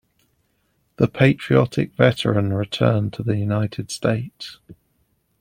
The patriotic veteran returned to the United States.